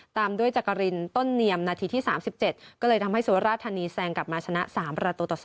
ตามด้วยจักรินต้นเนียมนาทีที่๓๗ก็เลยทำให้สุราธานีแซงกลับมาชนะ๓ประตูต่อ๒